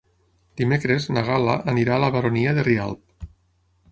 Dimecres na Gal·la anirà a la Baronia de Rialb.